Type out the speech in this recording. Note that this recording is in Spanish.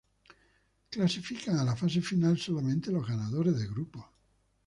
Clasifican a la fase final solamente los ganadores de grupo.